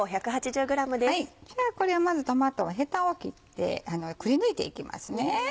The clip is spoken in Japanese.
これはまずトマトのへたを切ってくりぬいていきます。